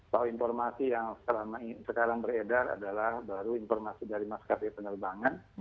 bahwa informasi yang sekarang beredar adalah baru informasi dari maskapai penerbangan